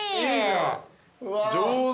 上手。